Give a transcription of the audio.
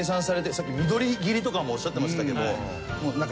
さっき緑切りとかもおっしゃってましたけどなんか。